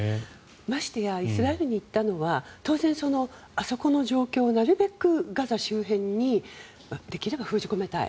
ましてやイスラエルに行ったのは当然、あそこの状況をなるべくガザ周辺にできれば封じ込めたい